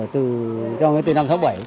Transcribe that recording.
từ năm sáu bảy